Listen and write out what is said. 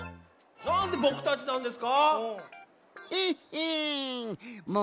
なんでぼくたちなんですか！？へっへん！